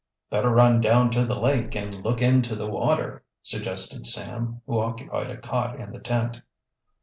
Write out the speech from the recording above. "Better run down to the lake and look into the water," suggested Sam, who occupied a cot in the tent.